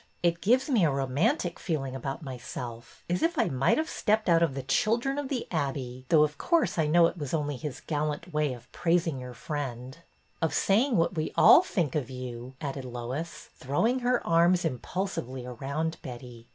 It gives me a romantic feeling about myself, as if I might have stepped out of ' The Children of the Abbey,' PRESERVES 117 though, of course, I know it was only his gallant way of praising your friend/' '' Of saying what we all think of you," added Lois, throwing her arms impulsively around Betty.